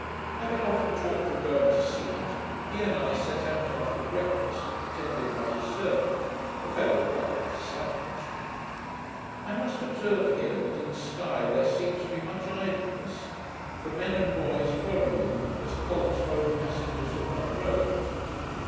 Having often talked of going to see it, he and I set out after breakfast, attended by his servant, a fellow quite like a savage. I must observe here, that in Sky there seems to be much idleness; for men and boys follow you, as colts follow passengers upon a road.